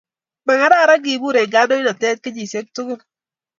Makararan kibur en kandoinatet kenyishek tugul